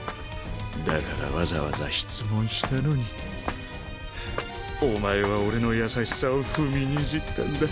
だからわざわざ質問したのにお前は俺の優しさを踏みにじったんだ。